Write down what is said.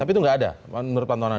tapi itu nggak ada menurut pantauan anda